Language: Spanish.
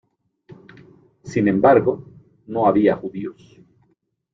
Sin embargo, no había judíos.